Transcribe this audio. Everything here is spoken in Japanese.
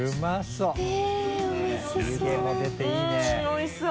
おいしそう。